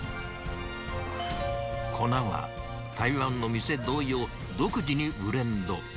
粉は台湾の店同様、独自にブレンド。